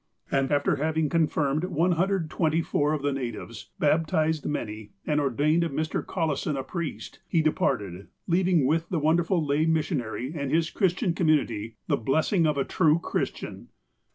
And, after having confirmed 124 of the natives, baptized many, and ordained Mr. Col lison a priest, he departed, leaving with the wonderful lay missionary and his Christian community the blessing of a true Christian.